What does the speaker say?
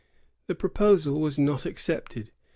The pro posal was not accepted.